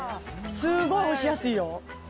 すごい干しやすいよ。